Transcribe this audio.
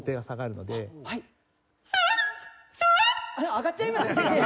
上がっちゃいます先生。